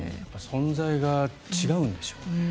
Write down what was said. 存在が違うんでしょうね。